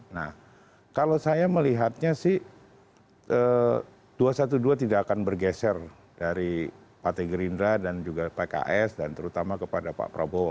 nah kalau saya melihatnya sih dua ratus dua belas tidak akan bergeser dari partai gerindra dan juga pks dan terutama kepada pak prabowo